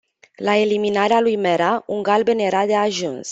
La eliminarea lui Mera, un galben era de ajuns.